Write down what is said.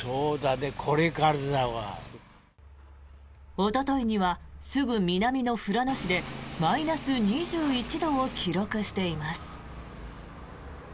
おとといにはすぐ南の富良野市でマイナス２１度を記録しています。